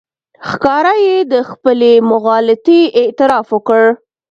ښکاره یې د خپلې مغالطې اعتراف وکړ.